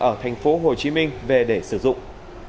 ở tp hồ chí minh về để sử dụng